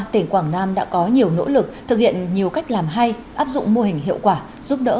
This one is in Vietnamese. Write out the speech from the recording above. tỉnh quảng nam đã có nhiều nỗ lực thực hiện nhiều cách làm hay áp dụng mô hình hiệu quả giúp đỡ